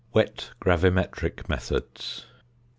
WET GRAVIMETRIC METHODS.